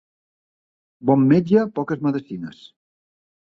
Bon metge, poques medecines.